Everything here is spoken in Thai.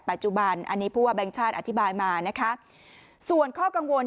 ปัจจุบันอันนี้ผู้ว่าแบงค์ชาติอธิบายมานะคะส่วนข้อกังวล